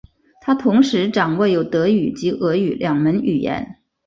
他同时掌握有德语及俄语两门语言。